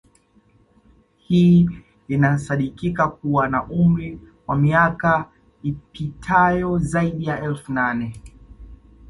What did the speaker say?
Hii inasadikika kuwa na umri wa miaka ipitayo zaidi ya elfu nane